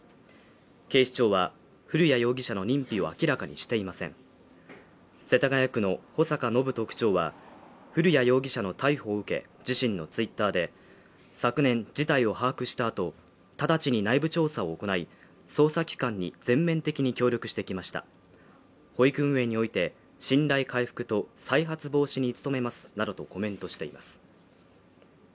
警視庁は古谷容疑者の認否を明らかにしていません世田谷区の保坂展人区長は古谷容疑者の逮捕を受け自身のツイッターで昨年事態を把握したあと直ちに内部調査を行い捜査機関に全面的に協力してきました保育運営において信頼回復と再発防止に努めますなどとコメントしています